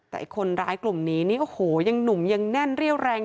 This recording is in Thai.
แต่คนร้ายกลุ่มนี้นี่โอ้โหยังหนุ่มยังแน่นเรี่ยวแรง